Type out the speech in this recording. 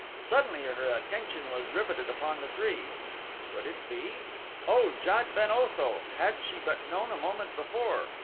Suddenly her attention was riveted upon the three. Could it be? O Jad ben Otho! had she but known a moment before.